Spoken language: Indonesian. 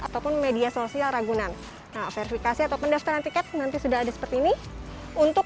ataupun media sosial ragunan verifikasi ataupun daftaran tiket nanti sudah ada seperti ini untuk